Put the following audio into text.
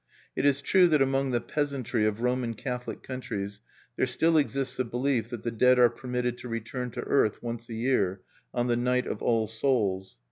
It is true that among the peasantry of Roman Catholic countries there still exists a belief that the dead are permitted to return to earth once a year, on the night of All Souls.